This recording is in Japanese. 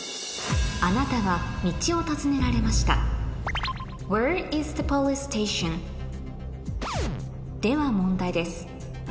あなたは道を尋ねられましたでは問題です